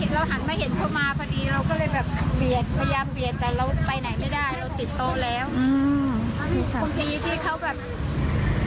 เราหังไม่เห็นเข้ามาพอดีเราก็เลยแบบเวียดพยายามเวียด